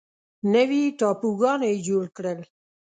نوي ټاپوګانو یې جوړ کړل.